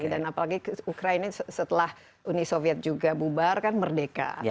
dan apalagi ukraina setelah uni soviet juga bubar kan merdeka